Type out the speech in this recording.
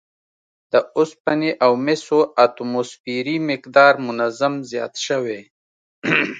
د اوسپنې او مسو اتوموسفیري مقدار منظم زیات شوی